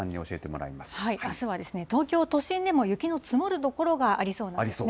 あすは東京都心でも雪の積もる所がありそうなんですね。